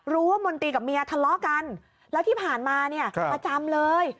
มนตรีกับเมียทะเลาะกันแล้วที่ผ่านมาเนี่ยประจำเลย